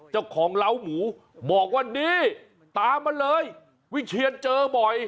เจ้าของเล้าหมูบอกว่านี่ตามมาเลยวิเชียนเจอบ่อย